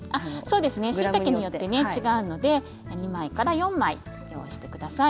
しいたけによって違うので２枚から４枚ご用意してください。